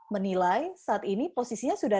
menilai saat ini posisinya sudah